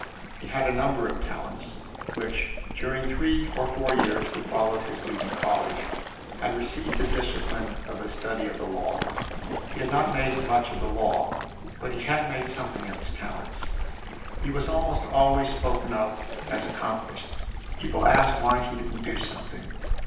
He had a number of talents, which, during three or four years that followed his leaving college, had received the discipline of the study of the law. He had not made much of the law; but he had made something of his talents. He was almost always spoken of as "accomplished;" people asked why he did n't do something.